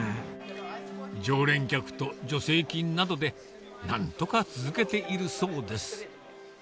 常連客と助成金などで、なんとか続けているそうです。